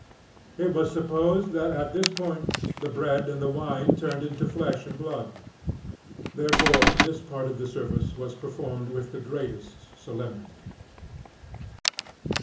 It was supposed that, at this point, the bread and the wine turned into flesh and blood; therefore, this part of the service was performed with the greatest solemnity.